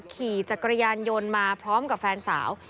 ขี่จักรยานยนต์มาพร้อมกับแฟนสาว